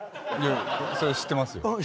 いやそれは知ってますよ。